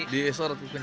di esor bukunya